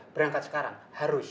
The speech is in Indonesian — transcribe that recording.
berangkat sekarang harus